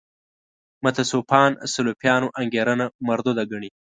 متصوفان سلفیانو انګېرنه مردوده ګڼي.